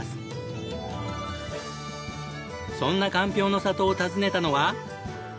そんなかんぴょうの里を訪ねたのは。